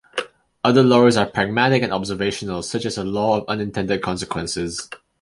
Other laws are pragmatic and observational, such as the law of unintended consequences.